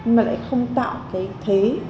mà lại không tạo cái thế